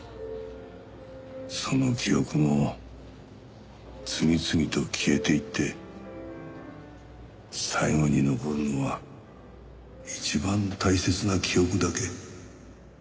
その記憶も次々と消えていって最後に残るのは一番大切な記憶だけ。